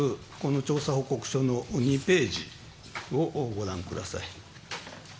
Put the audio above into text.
調査報告書の２ページをご覧ください。